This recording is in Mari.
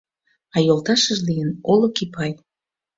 А йолташыже лийын Олык Опай.